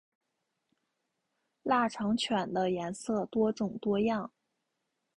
腊肠犬的颜色多种多样。